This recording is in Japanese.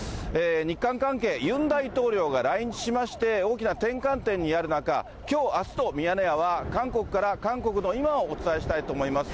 日韓関係、ユン大統領が来日しまして、大きな転換点にある中、きょう、あすと、ミヤネ屋は、韓国から韓国の今をお伝えしたいと思います。